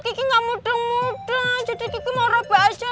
kiki gak mudeng mudeng jadi kiki mau robek aja